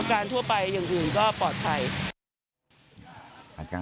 การทั่วไปอย่างอื่นก็ปลอดภัย